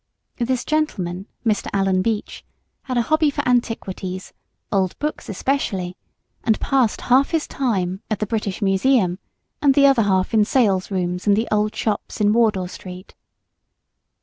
This gentleman, Mr. Allen Beach, had a hobby for antiquities, old books especially, and passed half his time at the British Museum, and the other half in sales rooms and the old shops in Wardour Street.